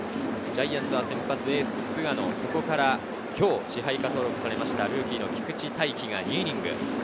ジャイアンツは先発エース・菅野、そこから今日を支配下登録されたルーキーの菊地大稀が２イニング。